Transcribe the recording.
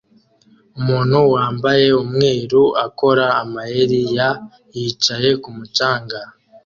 Umuntu wambaye umweru akora amayeri ya yicaye kumu canga